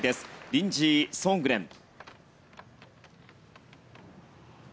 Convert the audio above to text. リンジー・ソーングレン。